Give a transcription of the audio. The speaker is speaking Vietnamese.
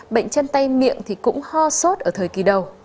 bệnh chân tay miệng thì cũng ho sốt ở thời kỳ đầu